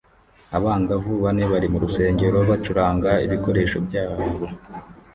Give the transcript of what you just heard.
Abangavu bane bari mu rusengero bacuranga ibikoresho byabo